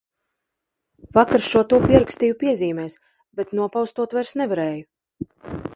Vakar šo to pierakstīju piezīmēs, bet nopostot vairs nevarēju.